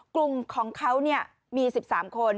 กลุ่มของเขามี๑๓คน